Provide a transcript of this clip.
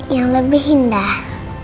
yang lebih indah